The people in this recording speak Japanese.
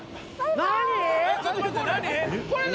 何？